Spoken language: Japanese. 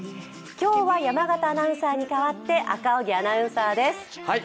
今日は山形アナウンサーに代わって赤荻アナウンサーです。